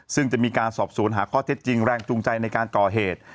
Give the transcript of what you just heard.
ซึ่งจะมีการสอบสวนหาข้อเท็จจริงแรงจูงใจในการก่อเหตุ